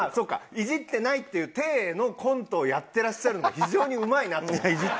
イジってないっていう体のコントをやってらっしゃるの非常にうまいなと思って。